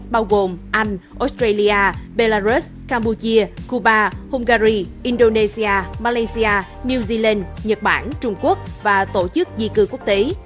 bao gồm anh australia belarus campuchia cuba hungary indonesia malaysia new zealand nhật bản trung quốc và tổ chức di cư quốc tế